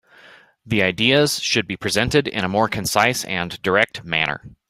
The ideas should be presented in a more concise and direct manner.